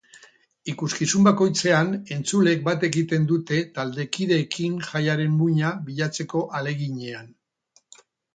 Ikuskizun bakoitzean entzuleek bat egiten dute taldekideekin jaiaren muina bilatzeko ahaleginean.